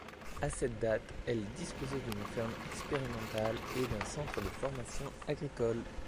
À cette date elle disposait d'une ferme expérimentale et d'un centre de formation agricole.